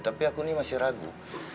tapi aku masih ragu